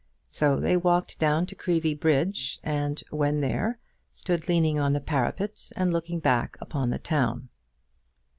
So they walked down to Creevy bridge, and, when there, stood leaning on the parapet and looking back upon the town.